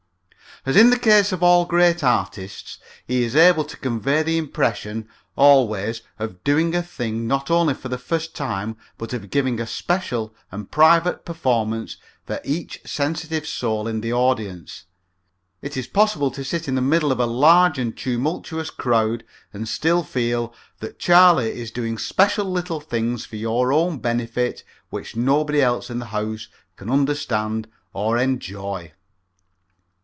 As in the case of all great artists, he is able to convey the impression, always, of doing a thing not only for the first time but of giving a special and private performance for each sensitive soul in the audience. It is possible to sit in the middle of a large and tumultuous crowd and still feel that Charlie is doing special little things for your own benefit which nobody else in the house can understand or enjoy.